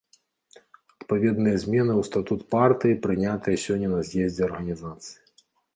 Адпаведныя змены ў статут партыі прынятыя сёння на з'ездзе арганізацыі.